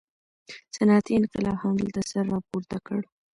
صنعتي انقلاب همدلته سر راپورته کړ.